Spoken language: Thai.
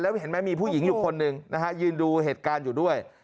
แล้วเห็นมั้ยมีผู้หญิงอยู่คนหนึ่งยืนดูเหตุการณ์อยู่ด้วย